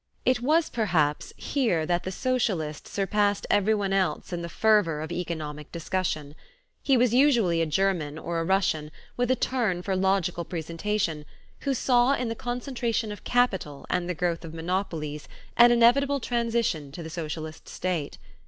It was, perhaps, here that the socialist surpassed everyone else in the fervor of economic discussion. He was usually a German or a Russian, with a turn for logical presentation, who saw in the concentration of capital and the growth of monopolies an inevitable transition to the socialist state.